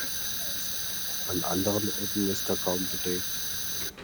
An anderen Orten ist er kaum belegt.